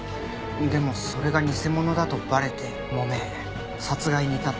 でもそれが偽物だとバレて揉め殺害に至った。